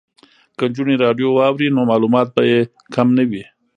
که نجونې راډیو واوري نو معلومات به یې کم نه وي.